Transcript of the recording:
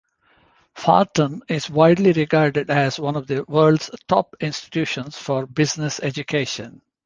Wharton is widely regarded as one of the world's top institutions for business education.